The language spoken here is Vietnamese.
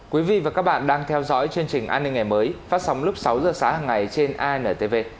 quý vị và các bạn đang theo dõi chương trình an ninh ngày mới phát sóng lúc sáu giờ sáng hàng ngày trên intv